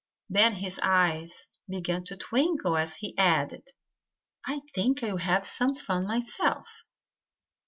Then his eyes began to twinkle as he added: "I think I'll have some fun myself."